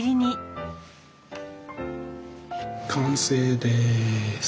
完成です。